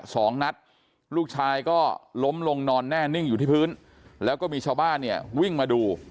สองนัดลูกชายก็ล้มลงนอนแน่นิ่งอยู่ที่พื้นแล้วก็มีชาวบ้านเนี่ยวิ่งมาดู